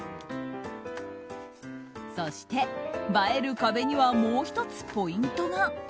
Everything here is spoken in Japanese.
そして、映える壁にはもう１つポイントが。